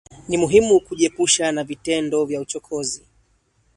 Ni muhimu kujiepusha na vitendo vya uchokozi